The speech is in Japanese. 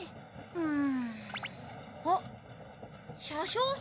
うん。